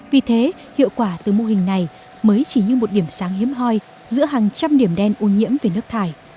vì thế hiệu quả từ mô hình này mới chỉ như một điểm sáng hiếm hoi giữa hàng trăm điểm đen ô nhiễm về nước thải